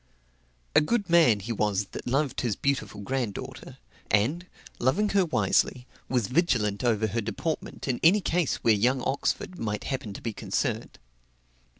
A good man he was, that loved his beautiful granddaughter; and, loving her wisely, was vigilant over her deportment in any case where young Oxford might happen to be concerned.